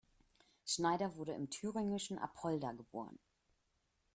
Schneider wurde im thüringischen Apolda geboren.